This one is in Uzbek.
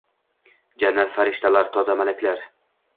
Jannat, farishtalar, toza malaklar